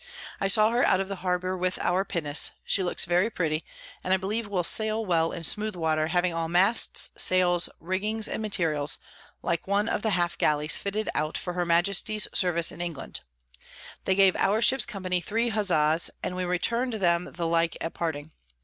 I saw her out of the Harbour with our Pinnance, she looks very pretty, and I believe will sail well in smooth Water, having all Masts, Sails, Rigging, and Materials, like one of the Half Galley's fitted out for her Majesty's Service in England: They gave our Ship's Company three Huzza's, and we return'd them the like at parting.